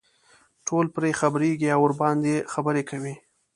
ټول پرې خبرېږي او ورباندې خبرې کوي.